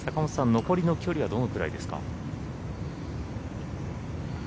残りの距離はどのくらいですか？